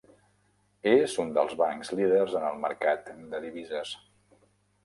És un dels bancs líders en el mercat de divises.